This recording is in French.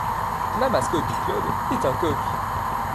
La mascotte du club est un coq.